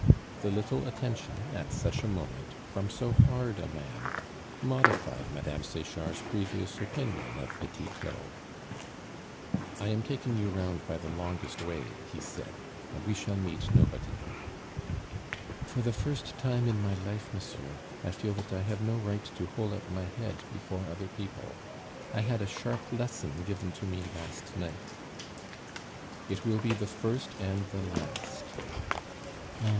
The little attention, at such a moment, from so hard a man, modified Mme. Sechard's previous opinion of Petit Claud. "I am taking you round by the longest way," he said, "and we shall meet nobody." "For the first time in my life, monsieur, I feel that I have no right to hold up my head before other people; I had a sharp lesson given to me last night " "It will be the first and the last." "Oh!